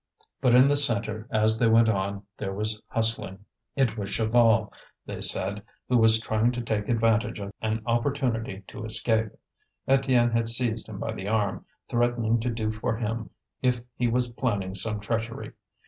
But in the centre, as they went on, there was hustling. It was Chaval, they said, who was trying to take advantage of an opportunity to escape. Étienne had seized him by the arm, threatening to do for him if he was planning some treachery.